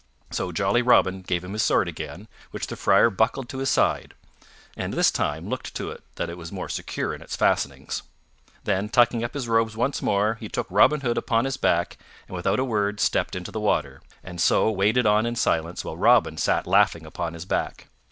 So jolly Robin gave him his sword again, which the Friar buckled to his side, and this time looked to it that it was more secure in its fastenings; then tucking up his robes once more, he took Robin Hood upon his back and without a word stepped into the water, and so waded on in silence while Robin sat laughing upon his back.